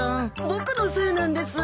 僕のせいなんです。